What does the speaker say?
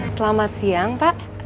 selamat siang pak